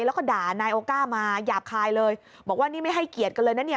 แล้วก็ด่านายโอก้ามาหยาบคายเลยบอกว่านี่ไม่ให้เกียรติกันเลยนะเนี่ย